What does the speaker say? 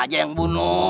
siapa yang bunuh